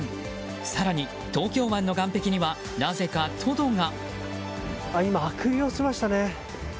更に、東京湾の岸壁にはなぜかトドが。